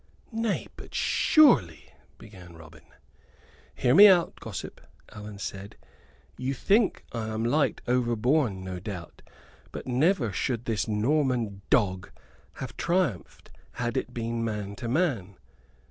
"Nay, but surely " began Robin. "Hear me out, gossip," Allan said. "You think I am light overborne, no doubt; but never should this Norman dog have triumphed had it been man to man.